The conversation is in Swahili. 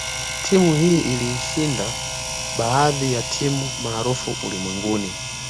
Timu hii ilishinda baadhi ya timu maarufu ulimwenguni